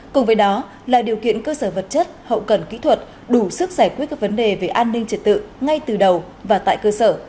cùng với đó là điều kiện cơ sở vật chất hậu cần kỹ thuật đủ sức giải quyết các vấn đề về an ninh trật tự ngay từ đầu và tại cơ sở